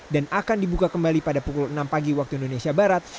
dan akan dibuka kembali pada pukul enam pagi waktu indonesia barat